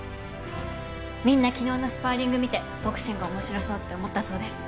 みんな昨日のスパーリング見てボクシング面白そうって思ったそうです。